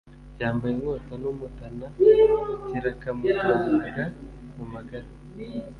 cyambaye inkota n'umutana/ kirakamutanaga mu magara/